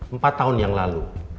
empat tahun yang lalu